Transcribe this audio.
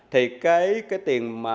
thì cái tiền